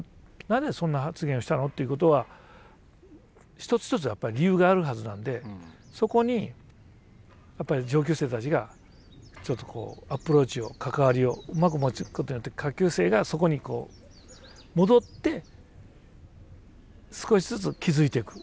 「なぜそんな発言をしたの？」ということは一つ一つやっぱり理由があるはずなんでそこにやっぱり上級生たちがちょっとこうアプローチを関わりをうまく持つことによって下級生がそこに戻って少しずつ気付いていく。